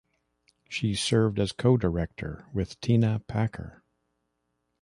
She served as co-director, with Tina Packer.